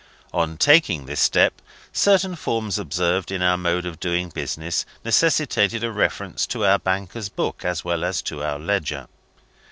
On taking this step, certain forms observed in our mode of doing business necessitated a reference to our bankers' book, as well as to our ledger.